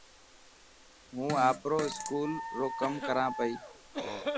هون آپرو اسڪول رو ڪم ڪران پئي.